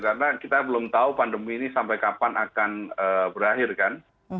karena kita belum tahu pandemi ini sampai kapan akan berakhir kan